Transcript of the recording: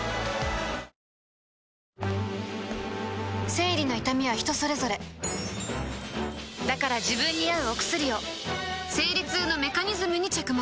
生理の痛みは人それぞれだから自分に合うお薬を生理痛のメカニズムに着目